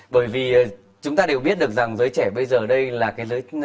bởi vì chúng ta đều biết được rằng giới trẻ bây giờ đây là cái giới